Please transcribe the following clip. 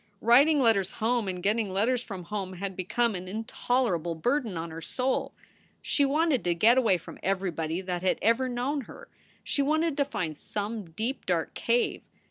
Writing letters home and getting letters from home had become an intolerable burden on her soul. She wanted to get away from everybody that had ever known her. She wanted to find some deep, dark cave.